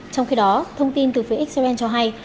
trong khi đó thông tin từ phía israel cho hay